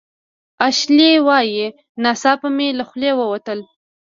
اشلي وايي "ناڅاپه مې له خولې ووتل